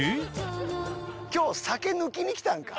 今日酒抜きに来たんか？